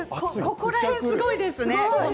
ここら辺すごいね。